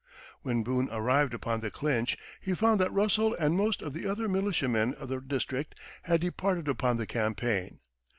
When Boone arrived upon the Clinch he found that Russell and most of the other militiamen of the district had departed upon the campaign.